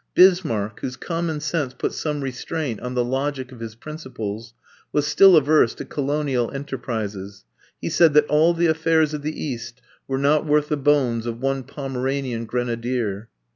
Bismarck, whose common sense put some restraint on the logic of his principles, was still averse to colonial enterprises; he said that all the affairs of the East were not worth the bones of one Pomeranian grenadier.